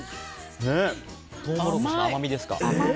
トウモロコシの甘みですか。